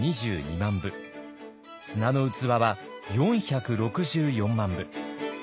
「砂の器」は４６４万部。